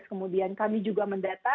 kemudian kami juga mendata